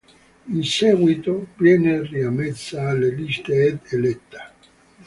In seguito viene riammessa alle liste ed eletta.